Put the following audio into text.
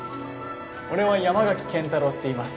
俺は山垣健太郎っていいます。